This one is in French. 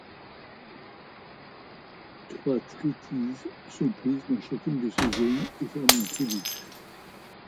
Trois trittyes sont prises dans chacune de ces zones et forment une tribu.